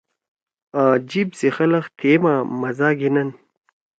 آں جیِب سی خلگ تھیے ما مزا گھینن۔